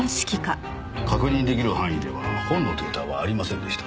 確認出来る範囲では本のデータはありませんでした。